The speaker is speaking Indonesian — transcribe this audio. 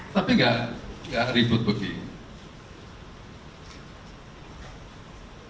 tapi nggak ribut begitu